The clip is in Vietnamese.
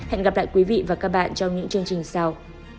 hẹn gặp lại quý vị và các bạn trong những chương trình sau